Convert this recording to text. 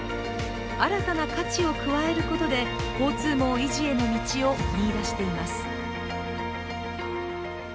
新たな価値を加えることで、交通網維持への道を見出しています。